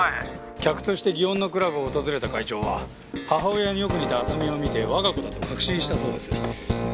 客として祇園のクラブを訪れた会長は母親によく似た亜沙美を見て我が子だと確信したそうです。